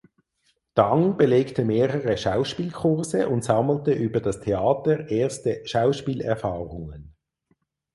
Dang belegte mehrere Schauspielkurse und sammelte über das Theater erste Schauspielerfahrungen.